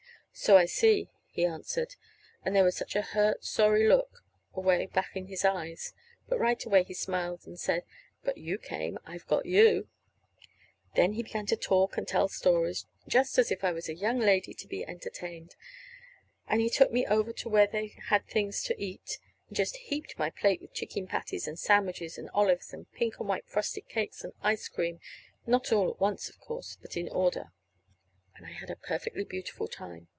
"So I see," he answered. And there was such a hurt, sorry look away back in his eyes. But right away he smiled, and said: "But you came! I've got you." Then he began to talk and tell stories, just as if I was a young lady to be entertained. And he took me over to where they had things to eat, and just heaped my plate with chicken patties and sandwiches and olives and pink and white frosted cakes and ice cream (not all at once, of course, but in order). And I had a perfectly beautiful time.